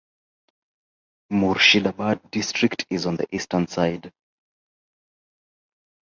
Murshidabad district is on the eastern side.